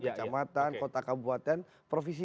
kecamatan kota kabupaten provisi